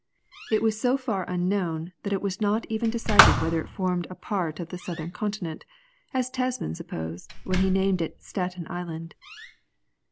It was so far unknown, that it was not even decided whether it formed a part of the southern continent, as Tasman supposed, when he named it Staten Island.